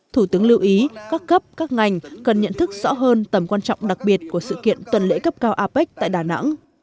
thủ tướng lưu ý các cấp các ngành cần nhận thức rõ hơn tầm quan trọng đặc biệt của sự kiện tuần lễ cấp cao apec tại đà nẵng